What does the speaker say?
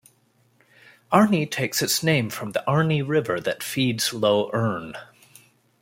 Arney takes its name from the Arney River that feeds Lough Erne.